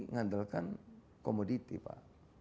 ngandalkan komoditi pak